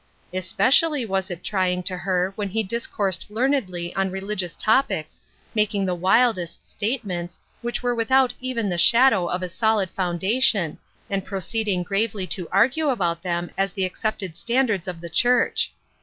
Especially was it trying to her when he dis coursed learnedly on religious topics, making the wildest statements, which were without even the shadow of a solid foundation, and proceeding gravely to argue about them as the accepted stan dards of the Church.